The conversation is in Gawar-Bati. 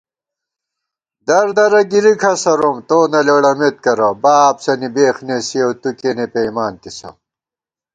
دردرہ گِرِی کھسَروم ، تو نہ لېڑَمېت کرہ * بابسَنی بېخ نېسِیَؤ تُو کېنےپېئیمانتِسہ